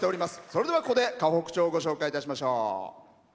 それでは、ここで河北町をご紹介いたしましょう。